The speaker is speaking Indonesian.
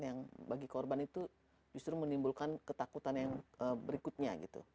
yang bagi korban itu justru menimbulkan ketakutan yang berikutnya gitu